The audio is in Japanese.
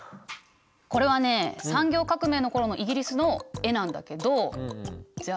これはね産業革命の頃のイギリスの絵なんだけどじゃあ